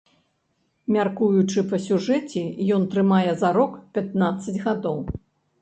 Мяркуючы па сюжэце, ён трымае зарок пятнаццаць гадоў.